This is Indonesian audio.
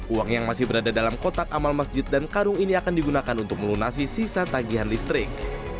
uang yang masih berada dalam kotak amal masjid dan karung ini akan digunakan untuk melunasi sisa tagihan listrik